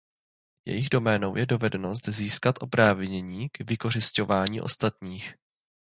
Jejich doménou je dovednost získat oprávnění k vykořisťování ostatních.